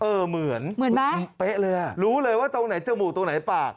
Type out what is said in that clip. เหมือนเหมือนไหมเป๊ะเลยอ่ะรู้เลยว่าตรงไหนจมูกตรงไหนปาก